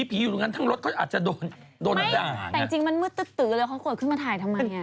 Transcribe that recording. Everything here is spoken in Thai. ชาวเด็กเขาลงกันเลยชาวเด็กเขาว่าอย่างนี้